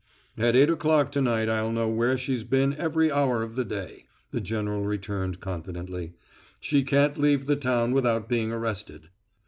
"At eight o'clock to night I'll know where she's been every hour of the day," the general returned confidently. "She can't leave the town without being arrested.